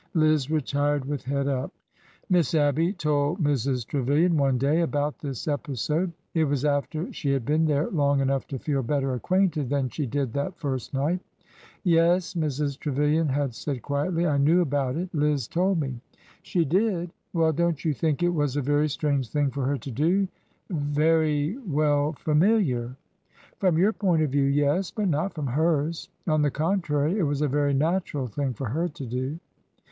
Liz retired with head up. Miss Abby told Mrs. Trevilian one day about this epi sode. It was after she had been there long enough to feel better acquainted than she did that first night. Yes," Mrs. Trevilian had said quietly, I knew about it. Liz told me." '' She did? Well, don't you think it was. a very strange thing for her to do?— very— well— familiar ?"'' From your point of view— yes. But not from hers. On the contrary, it was a very natural thing for her to do."